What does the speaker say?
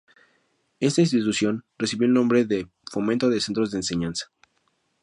Esta institución recibió el nombre de Fomento de Centros de Enseñanza.